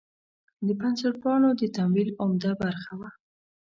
د بنسټپالو د تمویل عمده برخه وه.